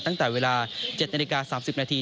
ตั้งแต่เวลา๗นาฬิกา๓๐นาที